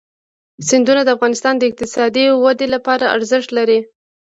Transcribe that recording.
سیندونه د افغانستان د اقتصادي ودې لپاره ارزښت لري.